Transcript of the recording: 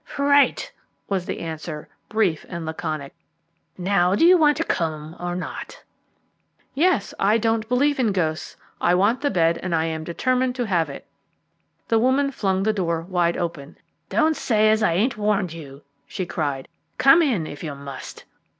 "Fright," was the answer, brief and laconic. "Now do you want to come or not?" "Yes; I don't believe in ghosts. I want the bed, and I am determined to have it." The woman flung the door wide open. "Don't say as I ain't warned you," she cried. "Come in, if you must."